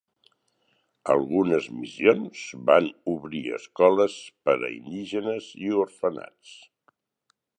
Algunes missions van obrir escoles per a indígenes i orfenats.